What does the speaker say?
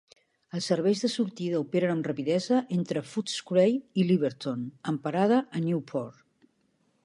Els serveis de sortida operen amb rapidesa entre Footscray i Laverton, amb parada a Newport.